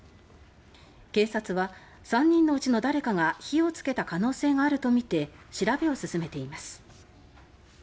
警察は、３人のうちの誰かが火をつけた可能性があるとみて調べを進めています。